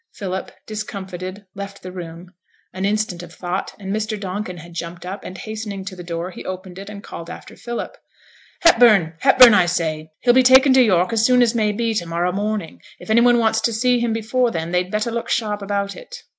Philip, discomfited, left the room; an instant of thought and Mr Donkin had jumped up, and hastening to the door he opened it and called after Philip. 'Hepburn Hepburn I say, he'll be taken to York as soon as may be to morrow morning; if any one wants to see him before then, they'd better look sharp about it.'